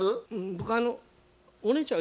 僕あのお姉ちゃん。